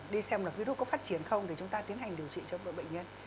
đi xem là virus có phát triển không thì chúng ta tiến hành điều trị cho mỗi bệnh nhân